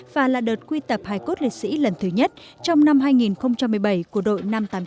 và là đợt quy tập hải cốt liệt sĩ lần thứ nhất trong năm hai nghìn một mươi bảy của đội năm trăm tám mươi tám